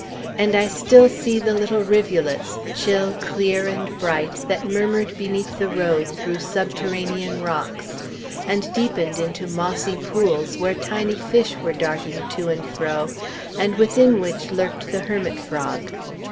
And I still see the little rivulets, chill, clear, and bright, that murmured beneath the road, through subterranean rocks, and deepened into mossy pools, where tiny fish were darting to and fro, and within which lurked the hermit frog.